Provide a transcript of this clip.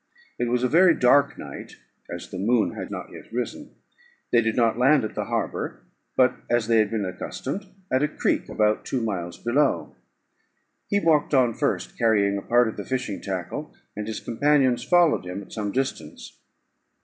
It was a very dark night, as the moon had not yet risen; they did not land at the harbour, but, as they had been accustomed, at a creek about two miles below. He walked on first, carrying a part of the fishing tackle, and his companions followed him at some distance.